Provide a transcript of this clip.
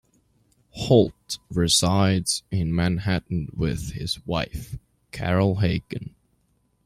Holt resides in Manhattan with his wife, Carol Hagen.